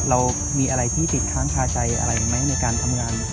เรามีอะไรติดทางพาใจอะไรอีกไหมในการทำงาน